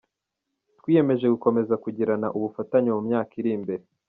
Twiyemeje gukomeza kugirana ubufatanye mu myaka iri imbere”.